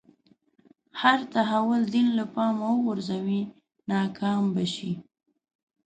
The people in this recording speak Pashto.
هر تحول دین له پامه وغورځوي ناکام به شي.